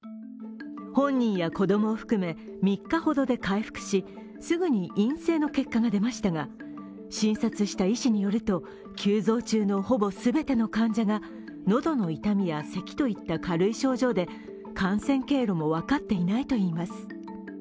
本人や子供を含め３日ほどで回復し、すぐに陰性の結果が出ましたが、診察した医師によると急増中のほぼ全ての患者が喉の痛みやせきといった軽い症状で感染経路も分かっていないといいます。